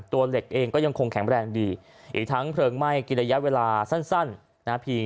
เหล็กเองก็ยังคงแข็งแรงดีอีกทั้งเพลิงไหม้กินระยะเวลาสั้นนะพี่